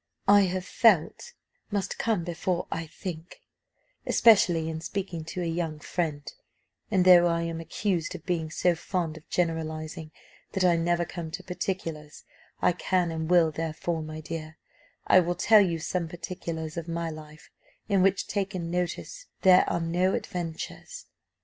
'I have felt' must come before 'I think,' especially in speaking to a young friend, and, though I am accused of being so fond of generalising that I never come to particulars, I can and will: therefore, my dear, I will tell you some particulars of my life, in which, take notice, there are no adventures.